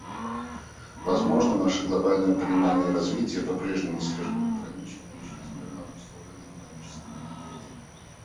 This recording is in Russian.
Возможно, наше глобальное понимание развития по-прежнему слишком ограничено и чрезмерно обусловлено экономическими критериями.